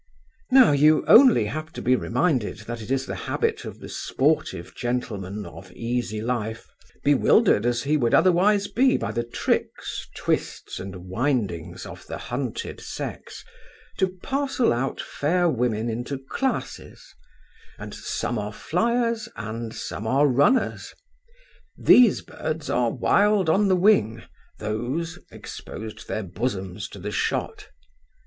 Now you have only to be reminded that it is the habit of the sportive gentleman of easy life, bewildered as he would otherwise be by the tricks, twists, and windings of the hunted sex, to parcel out fair women into classes; and some are flyers and some are runners; these birds are wild on the wing, those exposed their bosoms to the shot.